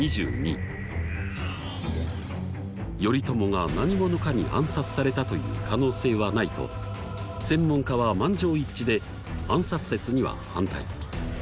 頼朝が何者かに暗殺されたという可能性はないと専門家は満場一致で「暗殺説」には反対。